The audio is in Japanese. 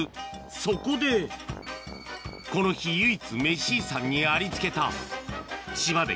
そこでこの日唯一メシ遺産にありつけたいます？